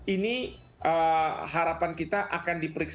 ini harapan kita akan diperiksa